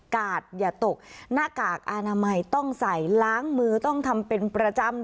กาดอย่าตกหน้ากากอนามัยต้องใส่ล้างมือต้องทำเป็นประจำ